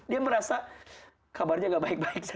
dia merasa kabarnya gak baik baik saja